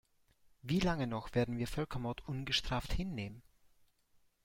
Wie lange noch werden wir Völkermord ungestraft hinnehmen?